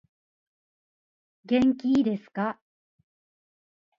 元気いですか